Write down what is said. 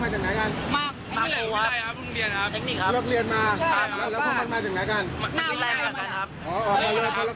ตอนแรกไหนนะครับ